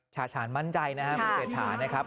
ฉาฉาญมั่นใจนะครับบริเศษฐานนะครับ